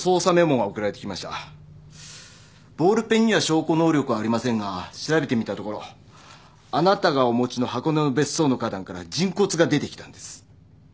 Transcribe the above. ボールペンには証拠能力はありませんが調べてみたところあなたがお持ちの箱根の別荘の花壇から人骨が出てきたんです。